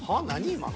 今の。